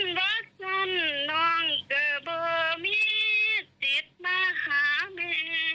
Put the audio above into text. ขันบักจนนองเกบมีจิตมาขาแม่